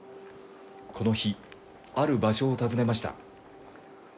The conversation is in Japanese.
この日、ある場所を訪ねました。